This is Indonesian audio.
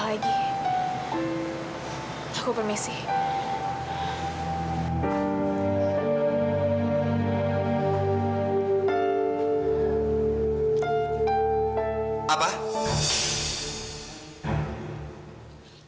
kejadian aku yang mana tadi